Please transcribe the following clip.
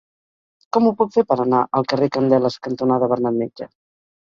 Com ho puc fer per anar al carrer Candeles cantonada Bernat Metge?